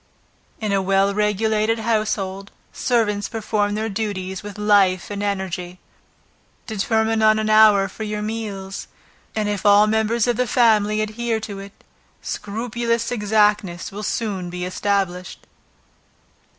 In a well regulated household, servants perform their duties with life and energy. Determine on an hour for your meals, and if all the members of the family adhere to it, scrupulous exactness will soon be established.